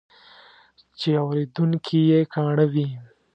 چې اورېدونکي یې کاڼه وي.